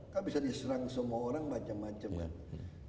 kan bisa diserang semua orang macam macam kan